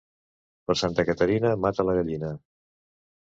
Per Santa Caterina mata la gallina.